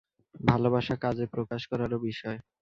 ভালোবাসা কাজে প্রকাশ করারও বিষয়।